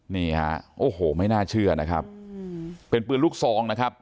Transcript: นี่ฮะโอ้โหไม่น่าเชื่อนะครับเป็นปืนลูกซองนะครับ